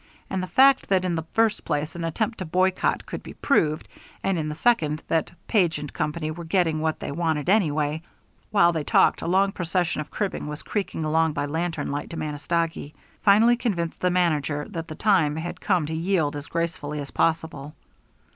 And the fact that in the first place an attempt to boycott could be proved, and in the second that Page & Company were getting what they wanted anyway while they talked a long procession of cribbing was creaking along by lantern light to Manistogee finally convinced the manager that the time had come to yield as gracefully as possible.